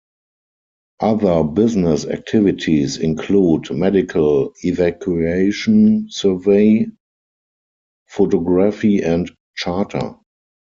Other business activities include medical evacuation, survey, photography and charter.